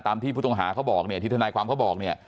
ตามที่ผู้ต้องหาเขาบอกที่ทนายความเขาบอก